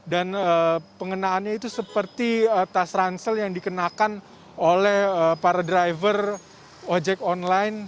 dan pengenaannya itu seperti tas ransel yang dikenakan oleh para driver gojek online